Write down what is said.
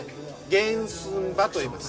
原寸場といいます。